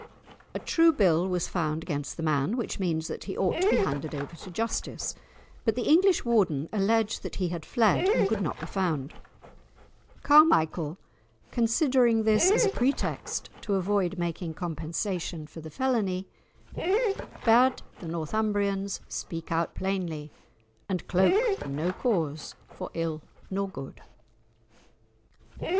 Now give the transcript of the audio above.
A "true bill" was found against the man, which means that he ought to be handed over to justice. But the English Warden alleged that he had fled, and could not be found. Carmichael, considering this as a pretext to avoid making compensation for the felony, bade the Northumbrians speak out plainly, and "cloke no cause for ill nor good."